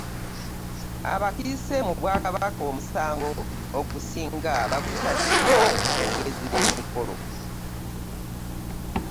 Abakiise mu Bwabakabaka, omusango ogusinga baguteeka ku boogezi b'emikolo.